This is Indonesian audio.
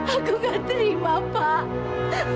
aku nggak terima pak